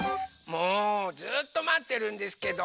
もうずっとまってるんですけど。